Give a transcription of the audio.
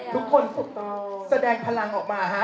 ทุกคนแสดงพลังออกมาฮะ๑๒๓